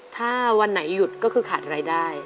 ถ้าวันไหนหยุดก็คือขาดรายได้